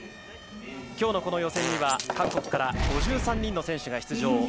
きょうの予選には各国から５３人の選手が出場。